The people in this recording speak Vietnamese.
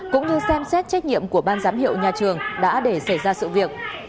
cũng như xem xét trách nhiệm của ban giám hiệu nhà trường đã để xảy ra sự việc